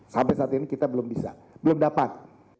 sampai saat ini kita belum bisa belum dapat